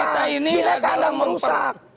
bila ini anda merusak